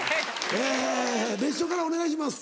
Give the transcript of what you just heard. えぇ別所からお願いします。